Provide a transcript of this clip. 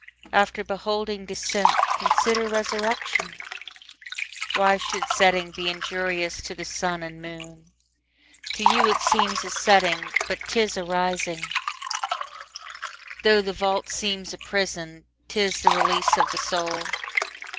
After beholding descent, consider resurrection; Why should setting be injurious to the sun and moon? To you it seems a setting, but 'tis a rising; Tho' the vault seems a prison, 'tis the release of the soul.